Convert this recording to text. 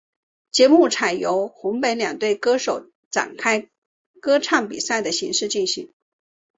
节目采由红白两队歌手展开歌唱比赛的形式进行。